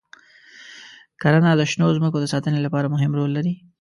کرنه د شنو ځمکو د ساتنې لپاره مهم رول لري.